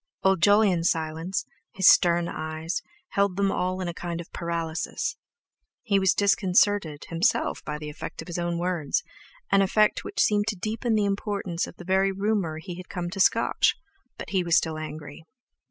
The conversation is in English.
Old Jolyon's silence, his stern eyes, held them all in a kind of paralysis. He was disconcerted himself by the effect of his own words—an effect which seemed to deepen the importance of the very rumour he had come to scotch; but he was still angry.